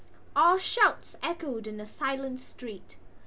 Our shouts echoed in the silent street.